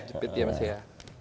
jepit ya masih ya